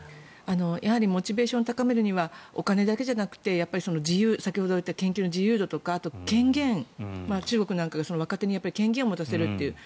やはりモチベーションを高めるにはお金だけじゃなくて先ほど言った研究の自由度とかあとは権限、中国なんかが若手に権限を持たせるという。